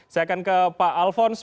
saya akan ke pak alfons